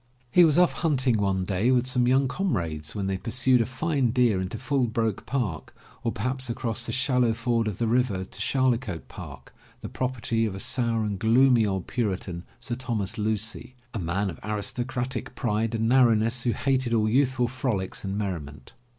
He was off hunting one day with some young comrades when they pursued a fine deer into Fullbroke Park, or perhaps across the shallow ford of the river to Charlecote Park, the property of a sour and gloomy old Puritan, Sir Thomas Lucy, a man of aristo cratic pride and narrowness who hated all youthful frolics and merriment.